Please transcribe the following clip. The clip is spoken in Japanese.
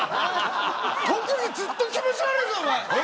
特技ずっと気持ち悪いぞおまえ。